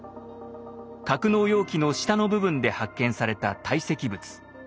格納容器の下の部分で発見された堆積物。